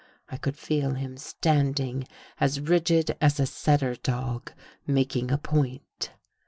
I could feel him standing as rigid as a setter dog making a point.